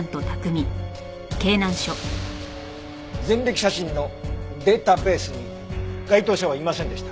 前歴写真のデータベースに該当者はいませんでした。